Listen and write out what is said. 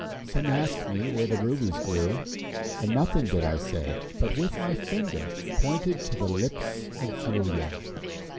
Some asked me where the rubies grew, And nothing did I say, But with my finger pointed to The lips of Julia.